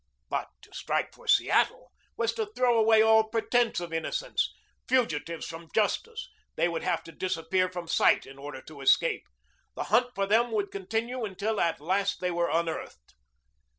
But to strike for Seattle was to throw away all pretense of innocence. Fugitives from justice, they would have to disappear from sight in order to escape. The hunt for them would continue until at last they were unearthed.